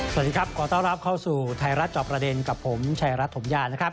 สวัสดีครับขอต้อนรับเข้าสู่ไทยรัฐจอบประเด็นกับผมชายรัฐถมยานะครับ